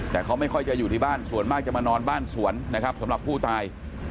แต่เขาไม่ค่อยจะอยู่ที่บ้านส่วนมากจะมานอนบ้านสวนนะครับสำหรับผู้ตาย